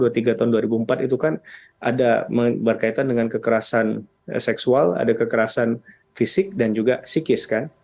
tiga tahun dua ribu empat itu kan ada berkaitan dengan kekerasan seksual ada kekerasan fisik dan juga psikis kan